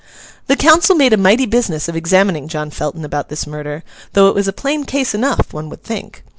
The council made a mighty business of examining John Felton about this murder, though it was a plain case enough, one would think.